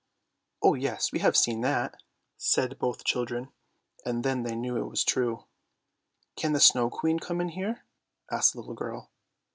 " Oh yes, we have seen that," said both children, and then they knew it was true. " Can the Snow Queen come in here? " asked the little girl.